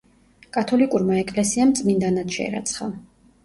კათოლიკურმა ეკლესიამ წმინდანად შერაცხა.